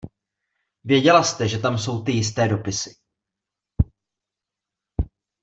Věděla jste, že tam jsou ty jisté dopisy.